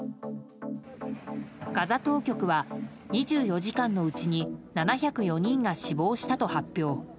ガザ当局は、２４時間のうちに７０４人が死亡したと発表。